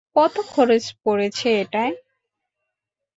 কত খরচ পড়েছে এটায়?